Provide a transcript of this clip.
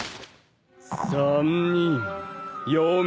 ３人嫁。